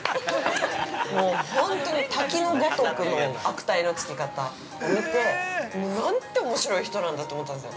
◆本当に、滝のごとくの悪態のつき方を見てなんておもしろい人なんだと思ったんですよ。